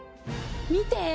見て！